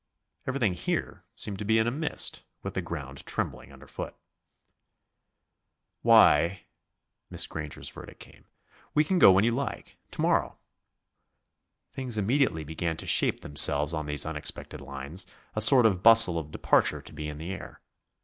Everything here seemed to be in a mist, with the ground trembling underfoot. "Why ..." Miss Granger's verdict came, "we can go when you like. To morrow." Things immediately began to shape themselves on these unexpected lines, a sort of bustle of departure to be in the air.